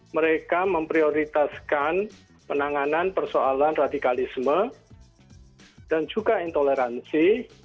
mereka memprioritaskan penanganan persoalan radikalisme dan juga intoleransi